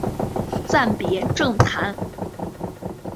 暂别政坛。